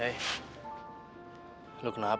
jangan takut terhadap memangnanya kita